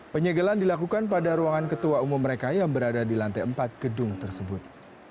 penyegelan dilakukan pada ruangan ketua umum mereka yang berada di lantai empat gedung tersebut